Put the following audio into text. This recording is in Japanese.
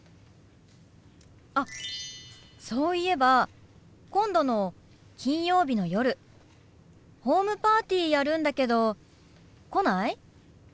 あっそういえば今度の金曜日の夜ホームパーティーやるんだけど来ない？